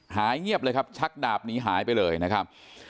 หายเงียบเลยครับชักดาบหนีหายไปเลยนะครับ